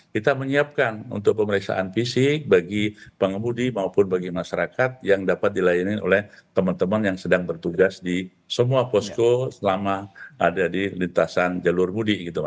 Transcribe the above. kita menyiapkan untuk pemeriksaan fisik bagi pengemudi maupun bagi masyarakat yang dapat dilayani oleh teman teman yang sedang bertugas di semua posko selama ada di lintasan jalur mudik gitu